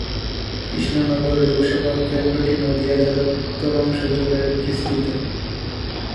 কৃষ্ণনগর লোকসভা কেন্দ্রটি নদীয়া জেলার উত্তর অংশ জুড়ে বিস্তৃত।